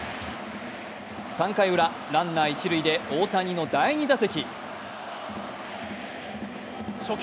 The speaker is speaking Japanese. ３回ウラ、ランナー一塁で大谷の第２打席。